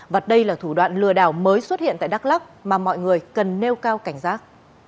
và đây là thủ đoạn lừa đảo mới xuất hiện tại đắk lắc mà mọi người cần nêu cao cảnh giác